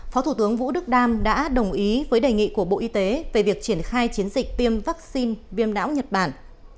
phó thủ tướng vũ đức đam đã đồng ý với đề nghị của bộ y tế về việc triển khai chiến dịch tiêm vaccine viêm não nhật bản